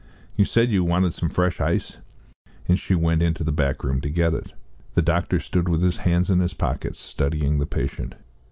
You said you wanted some fresh ice." And she went into the back room to get it. The doctor stood with his hands in his pockets, studying the patient.